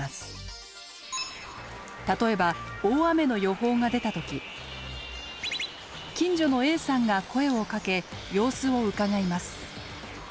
例えば大雨の予報が出た時近所のＡさんが声をかけ様子をうかがいます。